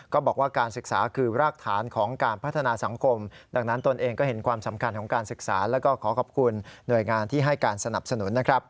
ก็บอกว่าการศึกษาคือรากฐานของการพัฒนาสังคมดังนั้นตนเองก็เห็นความสำคัญของการศึกษาแล้วก็ขอขอบคุณหน่วยงานที่ให้การสนับสนุนนะครับ